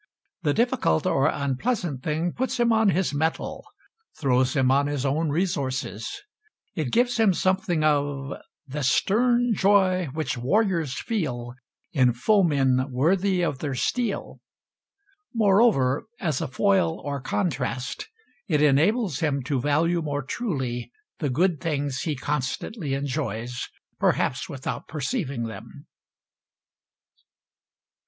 The difficult or unpleasant thing puts him on his mettle, throws him on his own resources. It gives him something of "The stern joy which warriors feel In foemen worthy of their steel." Moreover as a foil or contrast it enables him to value more truly the good things he constantly enjoys, perhaps without perceiving them.